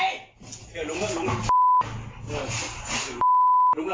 อีโรง